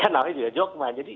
namanya juga jokman jadi